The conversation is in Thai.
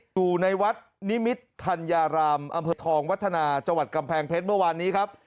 อยู่ในวัดนิมิตรธัญญารามอำเภอทองวัฒนาจังหวัดกำแพงเพชรเมื่อวานนี้ครับ